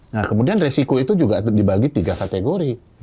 nah kemudian resiko itu juga dibagi tiga kategori